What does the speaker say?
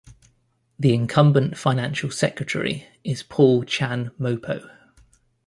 The incumbent Financial Secretary is Paul Chan Mo-po.